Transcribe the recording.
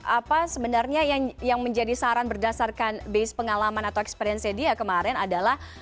apa sebenarnya yang menjadi saran berdasarkan base pengalaman atau experience nya dia kemarin adalah